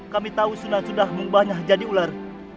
kami tahu sunat sudah mengubahnya jadi ular